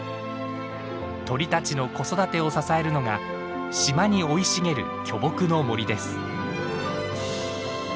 鳥たちの子育てを支えるのが島に生い茂る巨木の森です。